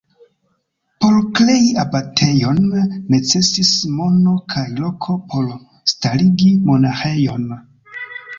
Por krei abatejon, necesis mono kaj loko por starigi monaĥejon.